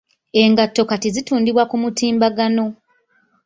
Engato kati zitundibwa ku mutimbagano.